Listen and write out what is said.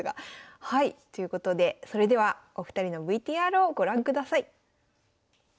はいということでそれではお二人のＶＴＲをご覧ください。